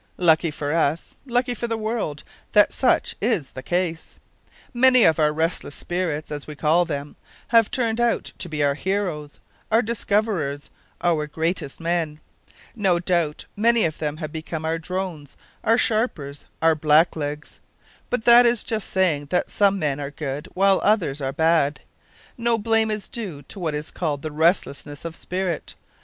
Lucky for us, lucky for the world, that such is the case! Many of our "restless spirits," as we call them, have turned out to be our heroes, our discoverers, our greatest men. No doubt many of them have become our drones, our sharpers, our blacklegs. But that is just saying that some men are good, while others are bad no blame is due to what is called the restlessness of spirit.